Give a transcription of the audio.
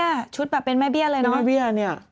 แม่เบี้ยชุดแบบเป็นแม่เบี้ยเลยนะ